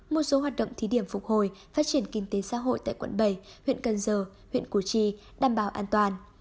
một số hoạt động thí điểm phục hồi phát triển kinh tế xã hội tại quận bảy huyện cần giờ huyện củ chi đảm bảo an toàn